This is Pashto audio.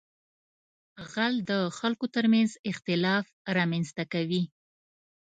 غل د خلکو تر منځ اختلاف رامنځته کوي